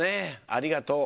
ありがとう。